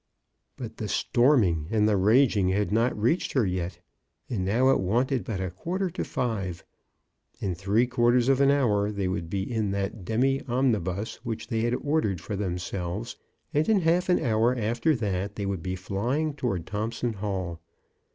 But the storming and the raging had not reached her yet, and now it wanted but a quar ter to five. In three quarters of an hour they would be in that demi omnibus which they had ordered for themselves, and in half an hour after that they would be flying toward Thomp son Hall.